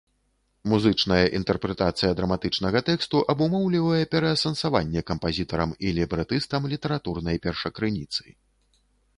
Музычная інтэрпрэтацыя драматычнага тэксту абумоўлівае пераасэнсаванне кампазітарам і лібрэтыстам літаратурнай першакрыніцы.